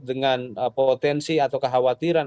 dengan potensi atau kekhawatiran